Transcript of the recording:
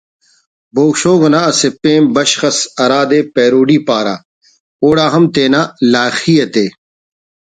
بوگ شوگ نا اسہ پین بشخ اس ہرادے پیروڈی پارہ اوڑا ہم تینا لائخی تے